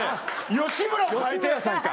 吉村さんか。